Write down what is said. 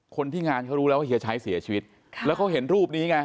คนที่งานเขารู้แล้วว่าเฮียชัยเสียชีวิตค่ะแล้วเขาเห็นรูปนี้ไง